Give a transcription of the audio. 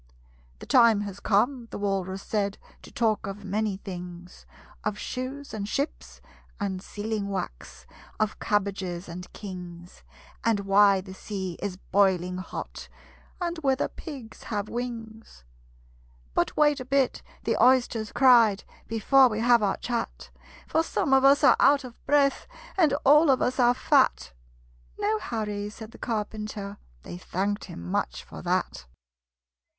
"The time has come," the Walrus said, "To talk of many things: Of shoes and ships and sealing wax Of cabbages and kings And why the sea is boiling hot And whether pigs have wings." "But wait a bit," the Oysters cried, "Before we have our chat; For some of us are out of breath, And all of us are fat!" "No hurry," said the Carpenter: They thanked him much for that.